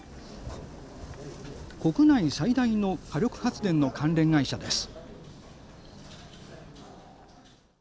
国内最大の火力発電の関連会社です。